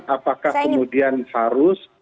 apakah kemudian harus